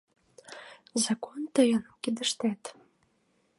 Закон тыйын кидыштет.